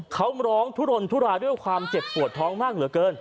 เขาร้องทุรนทุรายด้วยความเจ็บปวดท้องมากเหลือเกิน